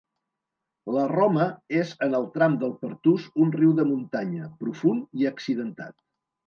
La Roma és en el tram del Pertús un riu de muntanya, profund i accidentat.